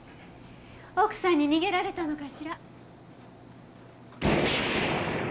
奥さんに逃げられたのかしら。